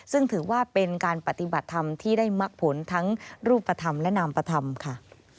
ซึ่งถือว่าเป็นการปฏิบัติธรรมที่ได้มักผลทั้งรูปธรรมและนามปธรรมค่ะ